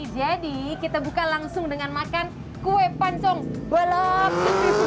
jadi kita buka langsung dengan makan kue pancong balap